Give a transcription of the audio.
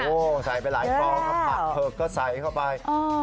โหใส่ไปหลายก็ใส่เข้าไป